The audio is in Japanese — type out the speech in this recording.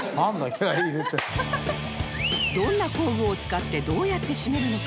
どんな工具を使ってどうやって締めるのか？